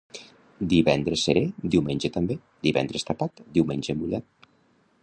Divendres serè, diumenge també; divendres tapat, diumenge mullat.